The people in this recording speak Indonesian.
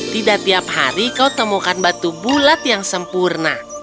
tidak tiap hari kau temukan batu bulat yang sempurna